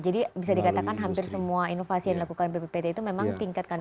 jadi bisa dikatakan hampir semua inovasi yang dilakukan pppt itu memang tingkatkan